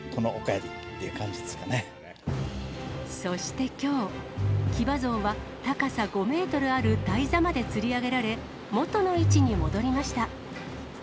殿、そしてきょう、騎馬像は高さ５メートルある台座までつり上げられ、元の位置に戻りました。